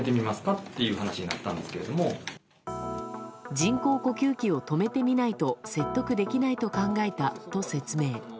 人工呼吸器を止めてみないと説得できないと考えたと説明。